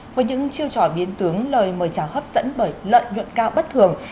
với những chiêu trò biến tướng lời mời chào hấp dẫn bởi lợi nhuận cao bất thường